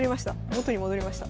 元に戻りました。